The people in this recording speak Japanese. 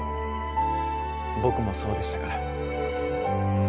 僕もそうでしたから。